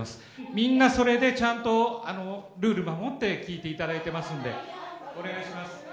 みんなそれでちゃんと、ルール守って聞いていただいてますので、お願いします。